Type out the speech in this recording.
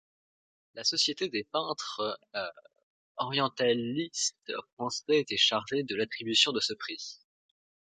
La Société des peintres orientalistes français était chargée de l'attribution de ce prix.